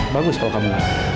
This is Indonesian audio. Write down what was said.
bagus kalau kamu nampak